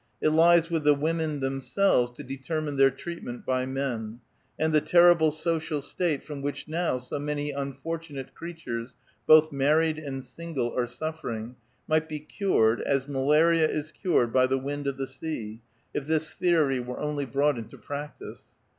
It lies with the women themselves to determine their treatment by men, and the terrible social state from which now so many unfortunate creatures, both married and single, are suffering, might be cured as malaria is cured by the wind of the sea, if this theory were only brought into prac tice.